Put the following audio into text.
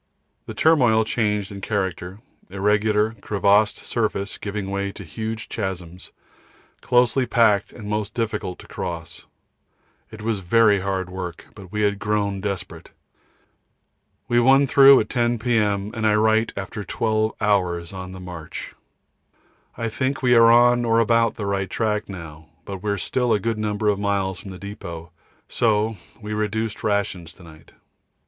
The turmoil changed in character, irregular crevassed surface giving way to huge chasms, closely packed and most difficult to cross. It was very heavy work, but we had grown desperate. We won through at 10 P.M. and I write after 12 hours on the march. I think we are on or about the right track now, but we are still a good number of miles from the depôt, so we reduced rations to night.